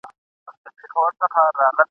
چي هر څومره لوی موجونه پرې راتلله ..